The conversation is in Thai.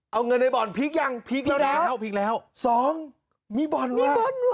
เอาเงินในบอลพีคหรือยังพีค๒มีบอลวะ